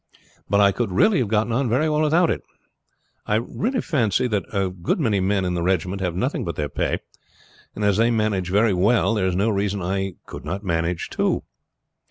But I could really have got on very well without it. I fancy that a good many men in the regiment have nothing but their pay, and as they manage very well there is no reason I could not manage too.